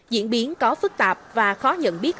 diễn biến có phức tạp và khó nhận biết